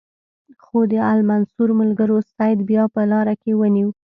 خو د المنصور ملګرو سید بیا په لاره کې ونیو.